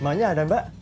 emangnya ada mbak